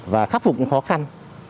và khắc phục những khó khăn